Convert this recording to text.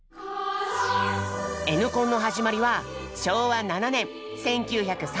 「Ｎコン」の始まりは昭和７年１９３２年。